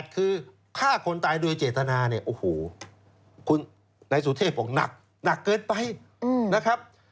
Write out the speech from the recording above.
คือฆ่าคนตายโดยเจตนาเนี่ยโอ้โหคุณนายสุเทพบอกหนักเกินไปนะครับ